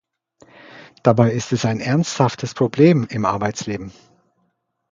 Dabei ist es ein ernsthaftes Problem im Arbeitsleben.